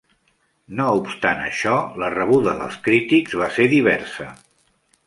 No obstant això, la rebuda dels crítics va ser diversa.